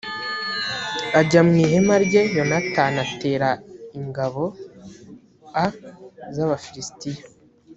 ajya mu ihema rye yonatani atera ingabo a z abafilisitiya